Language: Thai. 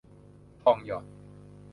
ทองหยอด